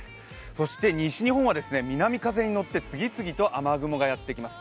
そして西日本は南風に乗って次々と雨雲がやってきます。